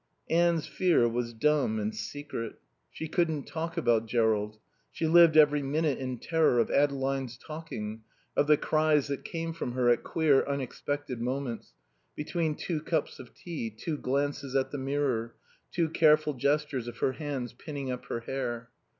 Anne's fear was dumb and secret. She couldn't talk about Jerrold. She lived every minute in terror of Adeline's talking, of the cries that came from her at queer unexpected moments: between two cups of tea, two glances at the mirror, two careful gestures of her hands pinning up her hair.